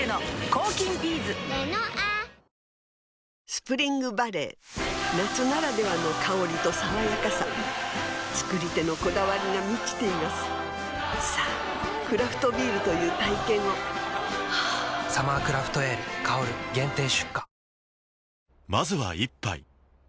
スプリングバレー夏ならではの香りと爽やかさ造り手のこだわりが満ちていますさぁクラフトビールという体験を「サマークラフトエール香」限定出荷